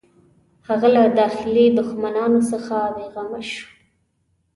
هغه له داخلي دښمنانو څخه بېغمه شو.